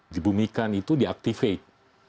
dibumikan itu di activate